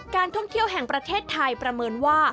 การท่องเที่ยวแห่งประเทศไทยประเมินว่า